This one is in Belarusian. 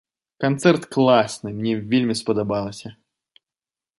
Канцэрт класны, мне вельмі спадабалася!